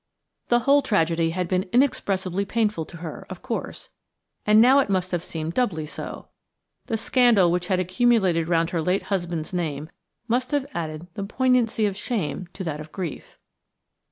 The whole tragedy had been inexpressibly painful to her, of course, and now it must have seemed doubly so. The scandal which had accumulated round her late husband's name must have added the poignancy of shame to that of grief.